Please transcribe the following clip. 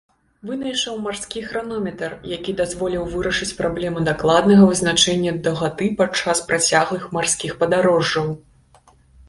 Вынайшаў марскі хранометр, які дазволіў вырашыць праблему дакладнага вызначэння даўгаты падчас працяглых марскіх падарожжаў.